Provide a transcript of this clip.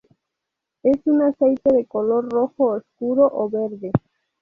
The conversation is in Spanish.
Es un aceite de color rojo oscuro o verde.